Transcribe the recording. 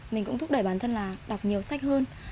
mình cũng thúc đẩy bản thân là đọc nhiều sách hơn